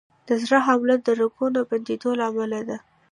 د زړه حمله د رګونو بندېدو له امله ده.